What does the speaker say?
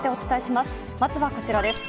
まずはこちらです。